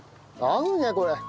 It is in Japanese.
合うねこれ。